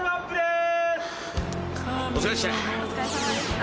お疲れっした。